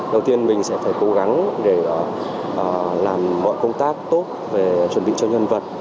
đầu tiên mình sẽ phải cố gắng để làm mọi công tác tốt về chuẩn bị cho nhân vật